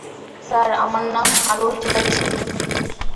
Sir, আমার নাম আরুল -ঠিক আছে।